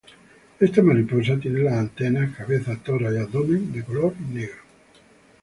Esta mariposa tiene las antenas, cabeza, tórax y abdomen de color negro.